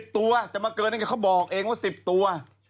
ตัวจะมาเกินนั่นไงเขาบอกเองว่า๑๐ตัว